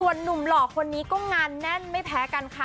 ส่วนนุ่มหล่อคนนี้ก็งานแน่นไม่แพ้กันค่ะ